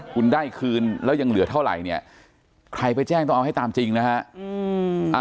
คุณได้คืนแล้วยังเหลือเท่าไหร่เนี่ยใครไปแจ้งต้องเอาให้ตามจริงนะฮะ